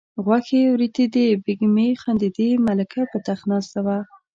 غوښې وریتېدې بیګمې خندېدې ملکه په تخت ناسته وه.